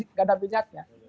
tidak ada minyaknya